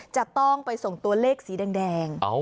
จะต้องไปส่งตัวเลขสีแดง